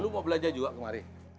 lu mau belajar juga kemari